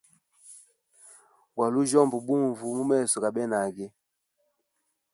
Gwali ujyomba bunvu mu meso gabenage.